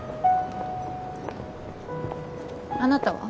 あなたは？